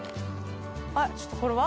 あっちょっとこれは？